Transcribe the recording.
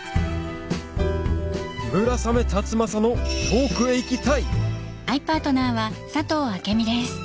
村雨辰剛の『遠くへ行きたい』